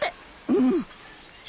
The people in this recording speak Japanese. うん。